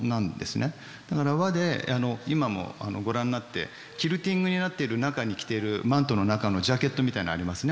だから和で今も御覧になってキルティングになっている中に着ているマントの中のジャケットみたいなのありますね